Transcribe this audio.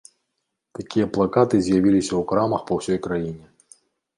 Такія плакаты з'явіліся ў крамах па ўсёй краіне.